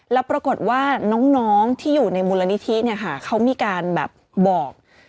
แล้วปรากฏว่าน้องที่อยู่ในมูลนิธิเขามีการบอก